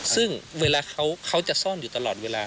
ซึ่งเวลาเขาจะซ่อนอยู่ตลอดเวลา